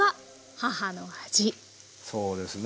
そうですね。